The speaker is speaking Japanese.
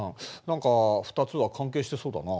何か２つは関係してそうだな。